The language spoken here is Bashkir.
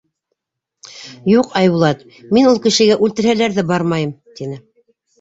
— Юҡ, Айбулат, мин ул кешегә үлтерһәләр ҙә бармайым, — тине.